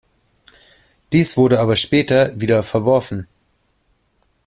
Dies wurde aber später wieder verworfen.